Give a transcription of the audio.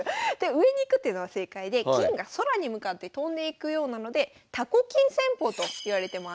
上に行くっていうのは正解で金が空に向かって飛んでいくようなのでといわれてます。